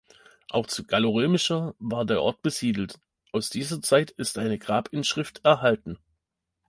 Auch zu gallo-römischer war der Ort besiedelt, aus dieser Zeit ist eine Grabinschrift erhalten.